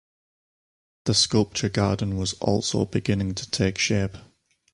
The sculpture garden was also beginning to take shape.